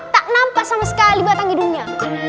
tak nampak sama sekali batang hidungnya